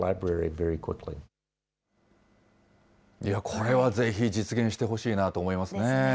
これはぜひ実現してほしいなと思いますね。